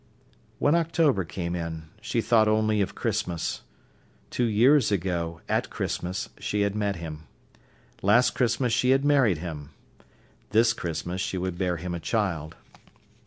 When October came in, she thought only of Christmas. Two years ago, at Christmas, she had met him. Last Christmas she had married him. This Christmas she would bear him a child.